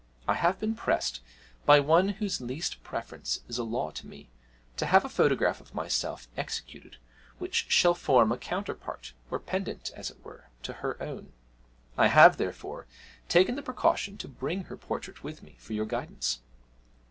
'I have been pressed, by one whose least preference is a law to me, to have a photograph of myself executed which shall form a counterpart or pendant, as it were, to her own. I have, therefore, taken the precaution to bring her portrait with me for your guidance.